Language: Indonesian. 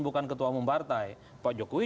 bukan ketua umum partai pak jokowi